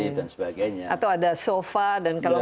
iya ada lift dan sebagainya atau ada sofa dan kayak gini